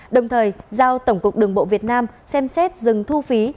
đồng thời giao tổng cục đường bộ việt nam xem xét dừng thu phí